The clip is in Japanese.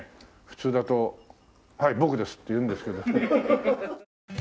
普通だと「はい僕です」って言うんですけど。